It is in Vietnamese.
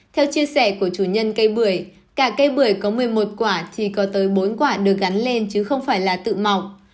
theo chia sẻ của chủ nhân cây bưởi cả cây bưởi có một mươi một quả thì có tới bốn quả được gắn lên chứ không phải là tự mọc